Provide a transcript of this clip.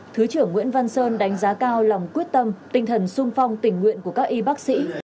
thứ trưởng nguyễn văn sơn đánh giá cao lòng quyết tâm tinh thần sung phong tình nguyện của các y bác sĩ